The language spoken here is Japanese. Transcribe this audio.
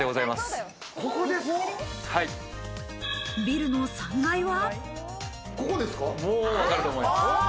ビルの３階は。